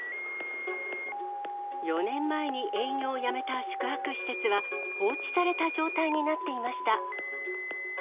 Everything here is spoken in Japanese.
４年前に営業をやめた宿泊施設は、放置された状態になっていました。